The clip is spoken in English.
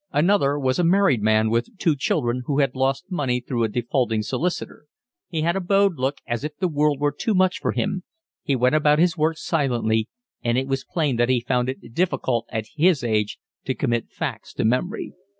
Another was a married man with two children, who had lost money through a defaulting solicitor; he had a bowed look as if the world were too much for him; he went about his work silently, and it was plain that he found it difficult at his age to commit facts to memory.